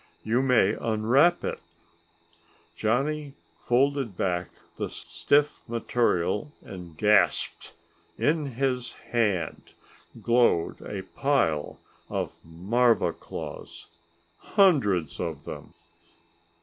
"You may unwrap it." Johnny folded back the stiff material, and gasped. In his hand glowed a pile of marva claws hundreds of them!